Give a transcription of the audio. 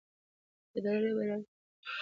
دا د بریالي ژوند راز دی.